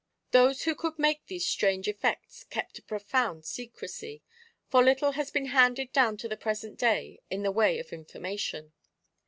Those who could make these strange effects kept a profound secrecy; for little has been handed down to the present day in the way of information.